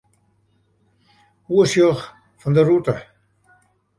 Oersjoch fan 'e rûte.